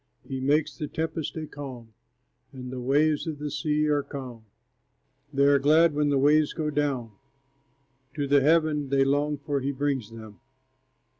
He makes the tempest a calm, And the waves of the sea are still. They are glad when the waves go down; To the haven they long for he brings them.